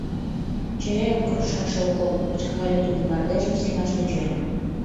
— Чеверын код, шакше окоп! — кычкырале тудо мардежым сеҥаш тӧчен.